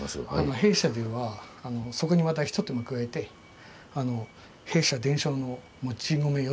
弊社ではそこにまたひと手間加えて弊社伝承のこれもち米ですか。